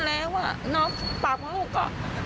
แล้วว่าเนาะป้าของลูกก็